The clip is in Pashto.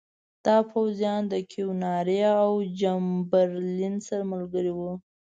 دا پوځیان د کیوناري او چمبرلین سره ملګري وو.